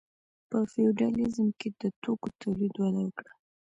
په فیوډالیزم کې د توکو تولید وده وکړه.